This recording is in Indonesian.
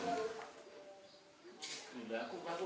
klinik yang berbeda